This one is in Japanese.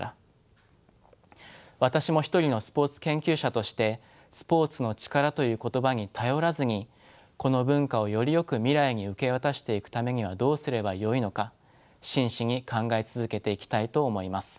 私も一人のスポーツ研究者として「スポーツの力」という言葉に頼らずにこの文化をよりよく未来に受け渡していくためにはどうすればよいのか真摯に考え続けていきたいと思います。